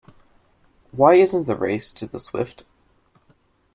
Why isn't the race to the swift?